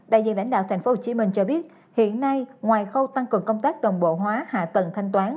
đại diện lãnh đạo tp hcm cho biết hiện nay ngoài khâu tăng cường công tác đồng bộ hóa hạ tầng thanh toán